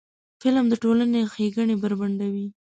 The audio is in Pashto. فلم د ټولنې ښېګڼې بربنډوي